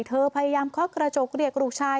เธอพยายามเคาะกระจกเรียกลูกชาย